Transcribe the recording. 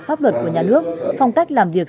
pháp luật của nhà nước phong cách làm việc